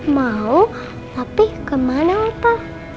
mau tapi kemana opa